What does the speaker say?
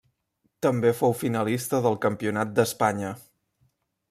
També fou finalista del Campionat d'Espanya.